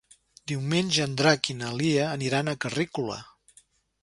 Diumenge en Drac i na Lia aniran a Carrícola.